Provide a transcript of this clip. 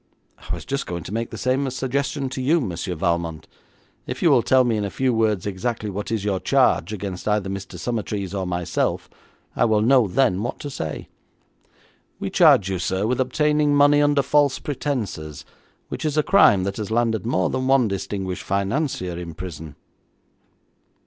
'I was just going to make the same suggestion to you, Monsieur Valmont. If you will tell me in a few words exactly what is your charge against either Mr. Summertrees or myself, I will know then what to say.' 'We charge you, sir, with obtaining money under false pretences, which is a crime that has landed more than one distinguished financier in prison.'